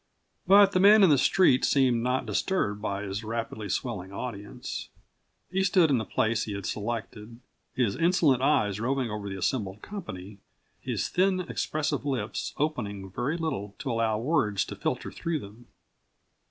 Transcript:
But the man in the street seemed not disturbed by his rapidly swelling audience. He stood in the place he had selected, his insolent eyes roving over the assembled company, his thin, expressive lips opening a very little to allow words to filter through them.